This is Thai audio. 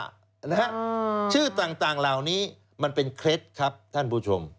นะฮะชื่อต่างเหล่านี้มันเป็นเคล็ดครับท่านผู้ชม